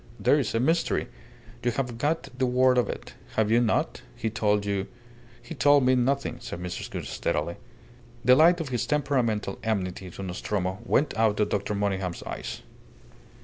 There is a mystery. You have got the word of it, have you not? He told you " "He told me nothing," said Mrs. Gould, steadily. The light of his temperamental enmity to Nostromo went out of Dr. Monygham's eyes.